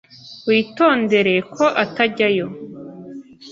Witondere ko atajyayo.